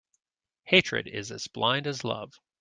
Hatred is as blind as love.